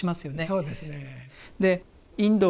そうですね。